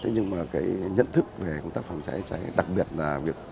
nhưng nhận thức về công tác phòng cháy chữa cháy